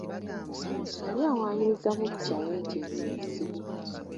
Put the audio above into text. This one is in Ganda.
Yali awaayiriza muggya we nti mwenzi.